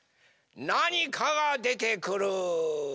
なにかがでてくる！